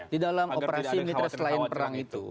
di dalam operasi mitra selain perang itu